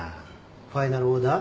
ファイナルオーダー？